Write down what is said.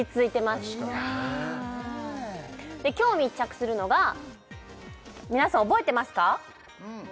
確かにね今日密着するのが皆さん覚えてますか？